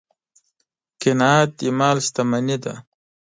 قناعت د مال شتمني ده.